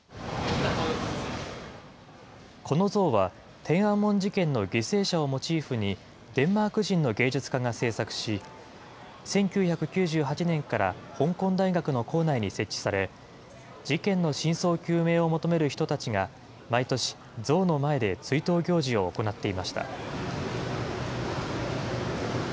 この像は、天安門事件の犠牲者をモチーフに、デンマーク人の芸術家が制作し、１９９８年から香港大学の構内に設置され、事件の真相究明を求める人たちが、毎年、像の前で追悼行事を行っていました。